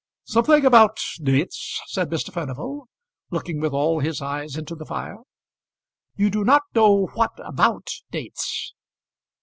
"Something about dates," said Mr. Furnival, looking with all his eyes into the fire. "You do not know what about dates?"